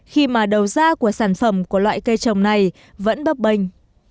khi mà đầu ra của sản phẩm của loại cây trồng này vẫn bấp bênh